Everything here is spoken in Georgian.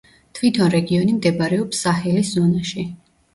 თვითონ რეგიონი მდებარეობს საჰელის ზონაში.